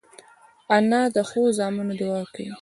انا د ښو زامنو دعا کوي